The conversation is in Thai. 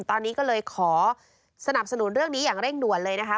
ตอนนี้ก็เลยขอสนับสนุนเรื่องนี้อย่างเร่งด่วนเลยนะคะ